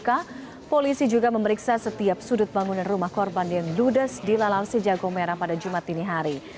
jika polisi juga memeriksa setiap sudut bangunan rumah korban yang ludes di lalau sejago merah pada jumat ini hari